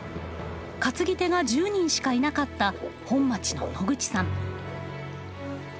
担ぎ手が１０人しかいなかった本町の野口さん。